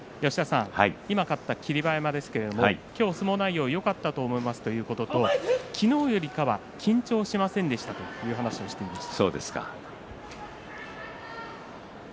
今、勝った霧馬山ですけれど今日、相撲内容よかったと思いますということと昨日よりかは緊張しませんでしたという話をしていました。